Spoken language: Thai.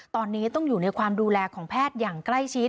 ตอนนี้ต้องอยู่ในความดูแลของแพทย์อย่างใกล้ชิด